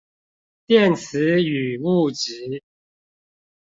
電磁與物質